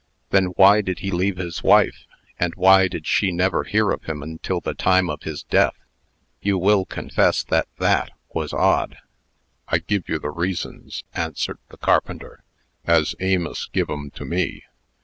"Then why did he leave his wife? and why did she never hear of him until the time of his death? You will confess that that was odd." "I give you the reasons," answered the carpenter, "as Amos give 'em to me.